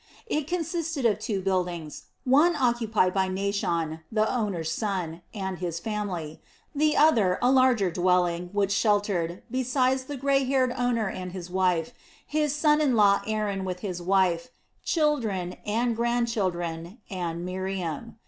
It consisted of two buildings, one occupied by Naashon, the owner's son, and his family, the other, a larger dwelling, which sheltered, besides the grey haired owner and his wife, his son in law Aaron with his wife, children, and grand children, and Miriam.